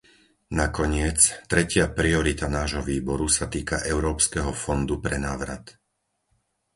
Nakoniec, tretia priorita nášho Výboru sa týka Európskeho fondu pre návrat.